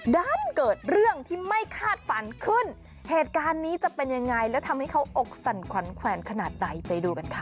ด้านเกิดเรื่องที่ไม่คาดฝันขึ้นเหตุการณ์นี้จะเป็นยังไงแล้วทำให้เขาอกสั่นขวัญแขวนขนาดไหนไปดูกันค่ะ